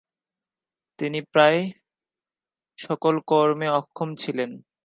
তিনি প্রায় সকল কর্মে অক্ষম ছিলেন।